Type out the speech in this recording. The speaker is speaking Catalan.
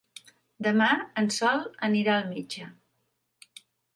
Demà en Sol anirà al metge.